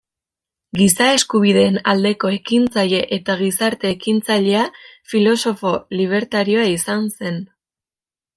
Giza eskubideen aldeko ekintzaile eta gizarte-ekintzailea, filosofo libertarioa izan zen.